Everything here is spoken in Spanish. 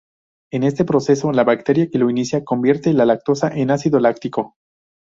En este proceso, la bacteria que lo inicia convierte la lactosa en ácido láctico.